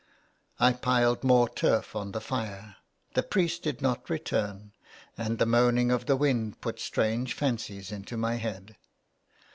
I piled more turf on the fire ; the priest did not return, and the moaning of the wind put strange fancies into my head.